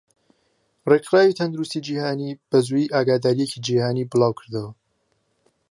ڕێخراوی تەندروستی جیهانی بەزوویی ئاگاداریەکی جیهانی بڵاوکردەوە.